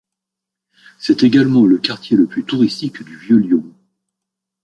C'est également le quartier le plus touristique du Vieux Lyon.